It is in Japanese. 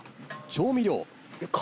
調味料。